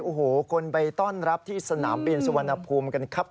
โอ้โหคนไปต้อนรับที่สนามบินสุวรรณภูมิกันครับ